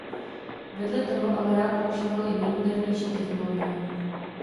Vedle toho ale rád používal i nejmodernější technologie.